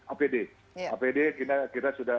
apd apd kita sudah